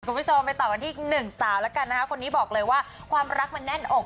คุณผู้ชมไปต่อกันที่หนึ่งสาวแล้วกันนะคะคนนี้บอกเลยว่าความรักมันแน่นอก